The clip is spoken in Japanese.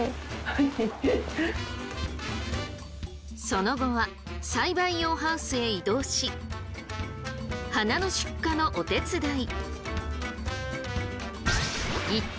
その後は栽培用ハウスへ移動し花の出荷のお手伝い。